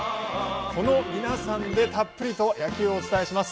この皆さんでたっぷりと野球をお伝えします。